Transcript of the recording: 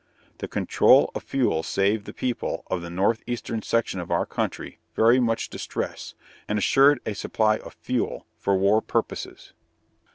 The control of fuel saved the people of the northeastern section of our country from much distress, and assured a supply of fuel for war purposes.